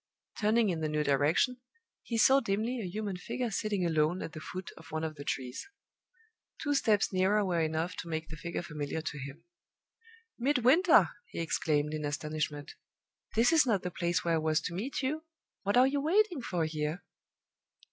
Turning in the new direction, he saw dimly a human figure sitting alone at the foot of one of the trees. Two steps nearer were enough to make the figure familiar to him. "Midwinter!" he exclaimed, in astonishment. "This is not the place where I was to meet you! What are you waiting for here?"